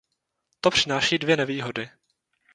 To přináší dvě nevýhody.